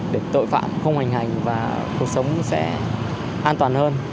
để tội phạm không hoành hành và cuộc sống sẽ an toàn hơn